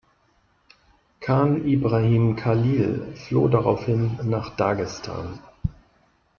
Khan Ibrahim Khalil floh daraufhin nach Dagestan.